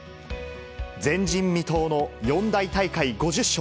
前人未到の四大大会５０勝。